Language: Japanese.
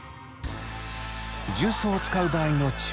重曹を使う場合の注意点。